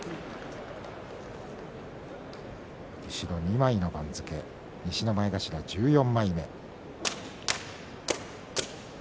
後ろ２枚の番付西の前頭１４枚目。